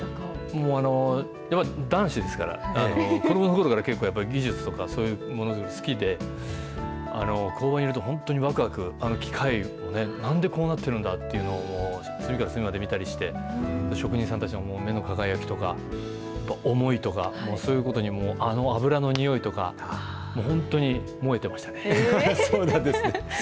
もうやっぱ男子ですから、子どものころから結構やっぱり技術とかそういうものづくり好きで、工場にいると本当にわくわく、機械とかね、なんでこうなってるんだっていうのを、隅から隅まで見たりして、職人さんたちの目の輝きとか、思いとか、そういうことに、あの油のにおいとか、もう本当に萌えてましたね。